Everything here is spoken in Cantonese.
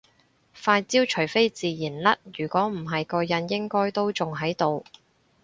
塊焦除非自然甩如果唔係個印應該都仲喺度